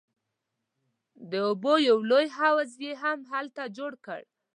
د اوبو یو لوی حوض یې هم هلته جوړ کړ.